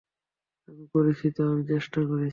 আমি করছি তো, আমি চেষ্টা করছি।